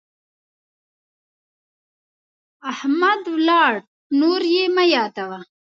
احمد ولاړ، نور يې مه يادوه.